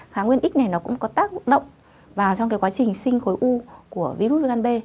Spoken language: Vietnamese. kháng nguyên x này cũng có tác động vào trong quá trình sinh khối u của virus viêm gan b